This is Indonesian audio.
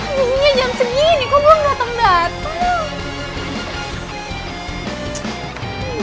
aminnya jam segini kok belum dateng dateng